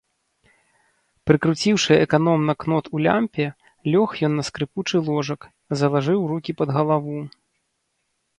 Прыкруціўшы эканомна кнот у лямпе, лёг ён на скрыпучы ложак, залажыў рукі пад галаву.